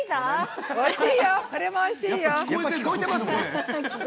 やっぱ聞こえてますね。